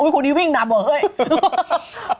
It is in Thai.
เฮ้ยคุณนี้วิ่งหนับเหอะนะ